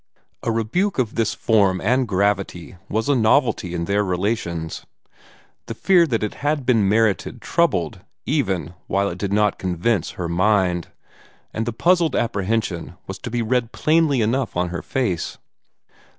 A rebuke of this form and gravity was a novelty in their relations. The fear that it had been merited troubled, even while it did not convince, her mind, and the puzzled apprehension was to be read plainly enough on her face.